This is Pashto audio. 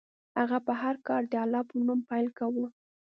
هغه به هر کار د الله په نوم پیل کاوه.